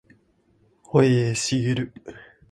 保栄茂